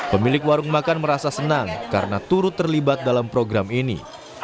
pemilik warung makan merasa senang karena turut terlibat dalam program ini